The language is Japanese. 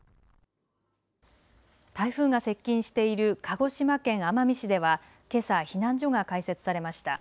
台風が接近している鹿児島県奄美市ではけさ避難所が開設されました。